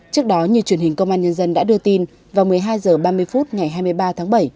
trước đó như truyền hình công an nhân dân đã đưa tin vào một mươi hai h ba mươi phút ngày hai mươi ba tháng bảy